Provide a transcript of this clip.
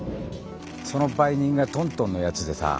その売人がトントンのやつでさ。